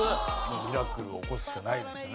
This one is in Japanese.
ミラクルを起こすしかないですね。